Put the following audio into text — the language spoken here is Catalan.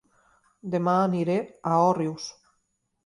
Dema aniré a Òrrius